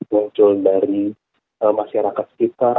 muncul dari masyarakat sekitar